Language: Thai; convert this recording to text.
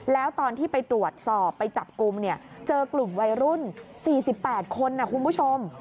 แล้วตอนที่ไปตรวจสอบไปจับกลุ่มเนี่ยเจอกลุ่มวัยรุ่น๔๘คนนะคุณผู้ชม